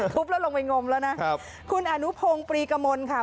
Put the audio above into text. แล้วลงไปงมแล้วนะครับคุณอนุพงศ์ปรีกมลค่ะ